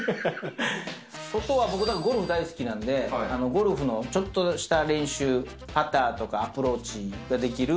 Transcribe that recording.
外は僕、ゴルフ大好きなんで、ゴルフのちょっとした練習、パターとかアプローチができる。